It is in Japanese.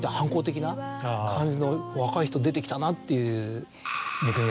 感じの若い人出てきたなっていう。